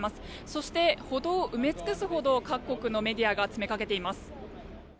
そして、歩道を埋め尽くすほど各国のメディアが詰めかけています。